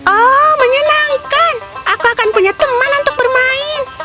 oh menyenangkan aku akan punya teman untuk bermain